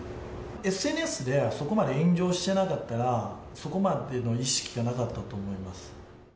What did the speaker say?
ＳＮＳでそこまで炎上してなかったら、そこまでの意識がなかったと思います。